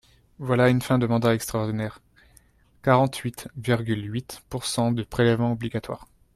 Voilà une fin de mandat extraordinaire, quarante-huit virgule huit pourcent de prélèvements obligatoires.